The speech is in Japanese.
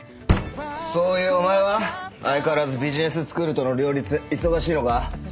そういうお前は？相変わらずビジネススクールとの両立忙しいのか？